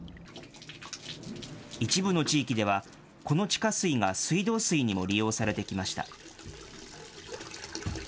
一部の地域では、この地下水が水道水にも利用されてきました。